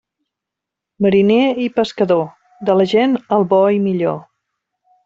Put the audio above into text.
Mariner i pescador, de la gent el bo i millor.